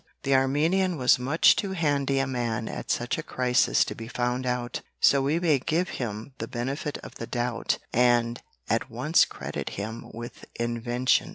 The Armenian was much too handy a man at such a crisis to be found out, so we may give him the benefit of the doubt and at once credit him with invention.